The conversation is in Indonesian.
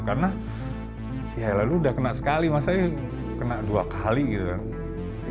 karena ya lo udah kena sekali masa ini kena dua kali gitu kan